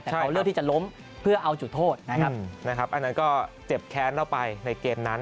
แต่เขาเลือกที่จะล้มเพื่อเอาจุดโทษนะครับนะครับอันนั้นก็เจ็บแค้นเราไปในเกมนั้น